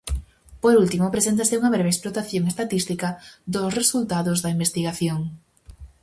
Por último, preséntase unha breve explotación estatística dos resultados da investigación.